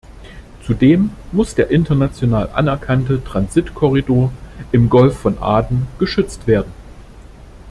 Zudem muss der international anerkannte Transitkorridor im Golf von Aden geschützt werden.